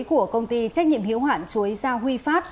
của công ty trách nhiệm hiếu hạn chuối gia huy phát